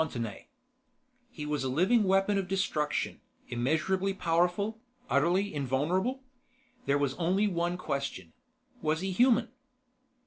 FONTENAY He was a living weapon of destruction immeasurably powerful, utterly invulnerable. There was only one question: Was he human?